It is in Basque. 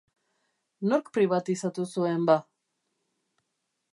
Nork pribatizatu zuen, ba?